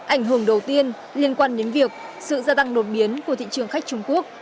ảnh hưởng đầu tiên liên quan đến việc sự gia tăng đột biến của thị trường khách trung quốc